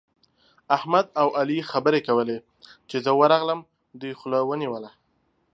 احمد او علي خبرې کولې؛ چې زه ورغلم، دوی خوله ونيوله.